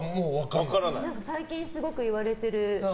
最近すごく言われてる。